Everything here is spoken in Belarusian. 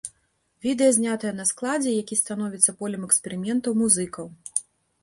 Відэа знятае на складзе, які становіцца полем эксперыментаў музыкаў.